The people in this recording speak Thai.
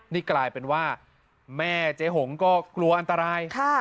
นี่กลายเป็นว่าแม่เจ๊หงก็กลัวอันตราย